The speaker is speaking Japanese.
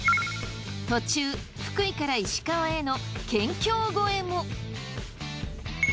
途中福井から石川への県境越えも。